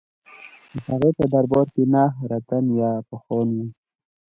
د هغه په دربار کې نهه رتن یا پوهان وو.